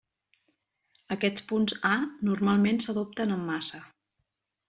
Aquests punts “A” normalment s'adopten en massa.